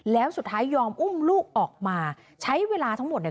แล้วสุดท้ายยอมอุ้มลูกออกมาใช้เวลาทั้งหมดเนี่ย